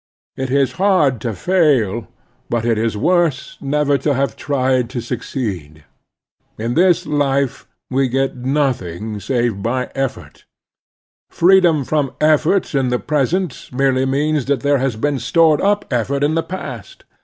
It is hard to fail, but it is worse never to have tried to succeed. In this life we get nothing save by effort. Freedom from effort in the present merely means hru The Strenuous Life 5 that there has been stored up effort in the past.